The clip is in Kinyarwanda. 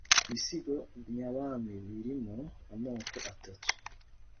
ibisigo nyabami birimo amoko atatu